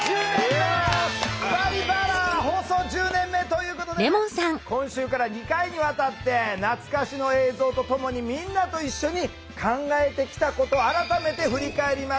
「バリバラ」放送１０年目ということで今週から２回にわたって懐かしの映像と共にみんなと一緒に考えてきたこと改めて振り返ります。